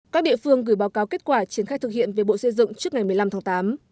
các địa phương gửi báo cáo kết quả triển khai thực hiện về bộ xây dựng trước ngày một mươi năm tháng tám